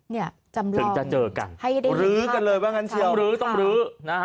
เนี่ยจำลองถึงจะเจอกันให้ตึกมั้งฉี่วต้องนะฮะ